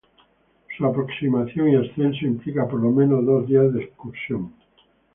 Su aproximación y ascenso implican por lo menos dos días de excursión.